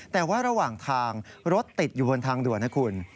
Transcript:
แต่ว่าระหว่างทางรถติดอยู่บนทางด่วนนะคุณ